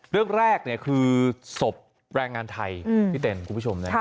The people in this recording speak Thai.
เรื่องแรกเนี่ยคือศพแรงงานไทยพี่เต่นคุณผู้ชมนะครับ